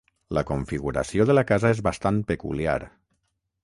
La configuració de la casa és bastant peculiar.